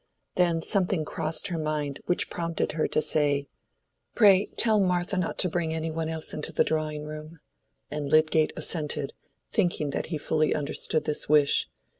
Then something crossed her mind which prompted her to say, "Pray tell Martha not to bring any one else into the drawing room." And Lydgate assented, thinking that he fully understood this wish.